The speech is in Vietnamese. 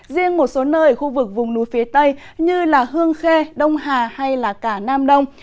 riêng một số nơi ở khu vực vùng núi phía tây như hương khê đông hà hay cả nam đông